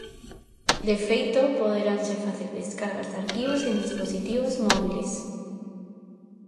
De feito, poderanse facer descargas de arquivos en dispositivos móbiles.